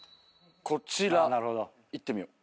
こちらいってみよう。